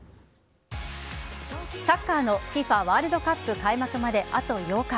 サッカーのＦＩＦＡワールドカップ開幕まであと８日。